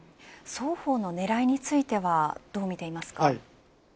双方の狙いについてはどう見ていますか。